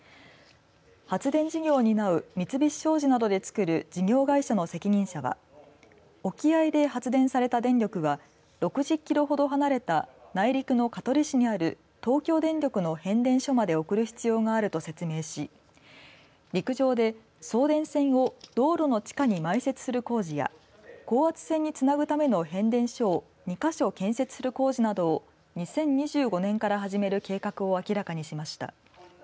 発電事業を担う三菱商事などでつくる事業会社の責任者は沖合で発電された電力は６０キロほど離れた内陸の香取市にある東京電力の変電所まで送る必要があると説明し陸上で送電線を道路の地下に埋設する工事や高圧線につなぐための変電所を２か所、建設する工事などを２０２５年から始める計画を明らかにしました。